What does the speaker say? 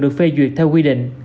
được phê duyệt theo quy định